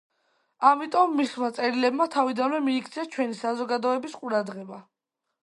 ამიტომ მისმა წერილებმა თავიდანვე მიიქცია ჩვენი საზოგადოების ყურადღება.